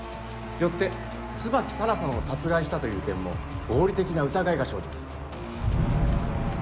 よって椿沙良さんを殺害したという点も合理的な疑いが生じます。